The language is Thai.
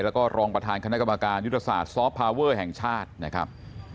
แล้วก็รองประธานคณะกรรมการยุทธศาสตร์ซอฟต์พาเวอร์แห่งชาตินะครับ